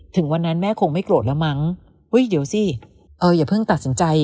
ถึงวันนั้นแม่คงไม่โกรธแล้วมั้งเฮ้ยเดี๋ยวสิเอออย่าเพิ่งตัดสินใจ